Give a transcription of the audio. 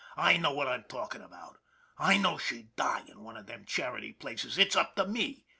" I know what I'm talking about. I know she'd die in one of them charity places. It's up to me.